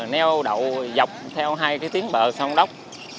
nêu đậu dọc theo hai tiếng bờ sông đốc